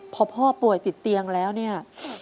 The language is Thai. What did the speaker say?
พอพ่อป่วยติดเตียงแล้วเนี่ย